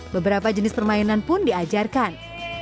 beberapa jenis permainan pun diajarkan